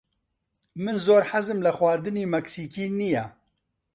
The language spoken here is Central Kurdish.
من زۆر حەزم لە خواردنی مەکسیکی نییە.